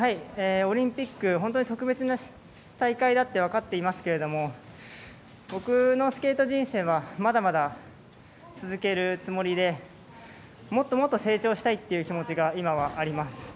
オリンピック特別な大会だと分かってますけれども僕のスケート人生はまだまだ続けるつもりでもっともっと成長したいって気持ちが今はあります。